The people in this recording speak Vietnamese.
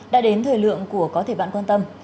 đã đến thời lượng của có thể bạn quan tâm